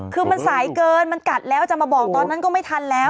คือมันสายเกินมันกัดแล้วจะมาบอกตอนนั้นก็ไม่ทันแล้ว